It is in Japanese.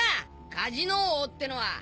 カジノ王ってのは！